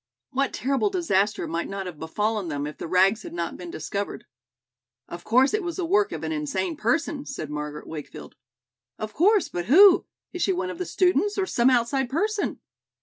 What terrible disaster might not have befallen them if the rags had not been discovered? "Of course it was the work of an insane person," said Margaret Wakefield. "Of course, but who? Is she one of the students or some outside person?"